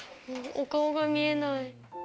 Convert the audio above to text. お顔が見えない。